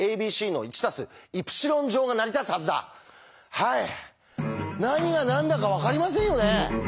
はい何が何だか分かりませんよね。